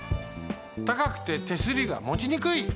たかくて手すりがもちにくい。